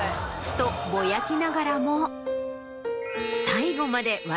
とぼやきながらも。